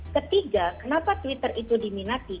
ketiga kenapa twitter itu diminati